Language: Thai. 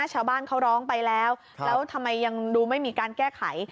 ชาวบ้านเขาร้องไปแล้วแล้วทำไมยังดูไม่มีการแก้ไข